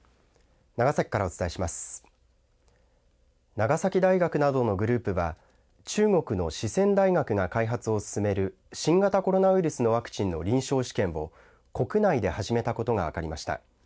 長崎大学などのグループは中国の四川大学が開発を進める新型コロナウイルスのワクチンの臨床試験を国内で始めたことが分かりました。